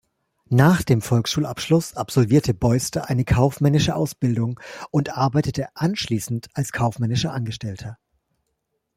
Nach dem Volksschulabschluss absolvierte Beuster eine kaufmännische Ausbildung und arbeitete anschließend als kaufmännischer Angestellter.